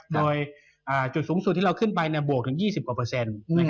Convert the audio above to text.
โดยจุดสูงสุดที่เราขึ้นไปบวกถึง๒๐กว่าเปอร์เซ็นต์